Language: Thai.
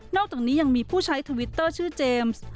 อกจากนี้ยังมีผู้ใช้ทวิตเตอร์ชื่อเจมส์